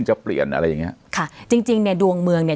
จะเปลี่ยนอะไรอย่างเงี้ยค่ะจริงจริงเนี้ยดวงเมืองเนี้ย